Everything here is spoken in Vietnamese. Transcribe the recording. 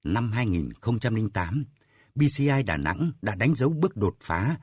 năm hai nghìn tám bci đà nẵng đã đánh dấu bước đột phá